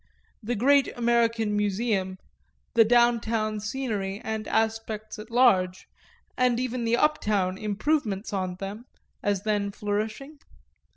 The Great American Museum, the down town scenery and aspects at large, and even the up town improvements on them, as then flourishing?